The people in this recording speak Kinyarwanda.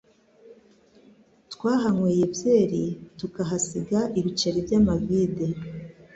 twahanyweye byeri tukahasiga ibiceri by' amavide